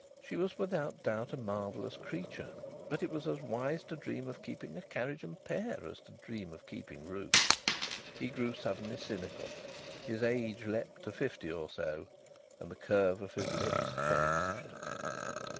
She was without doubt a marvellous creature, but it was as wise to dream of keeping a carriage and pair as to dream of keeping Ruth. He grew suddenly cynical. His age leaped to fifty or so, and the curve of his lips changed.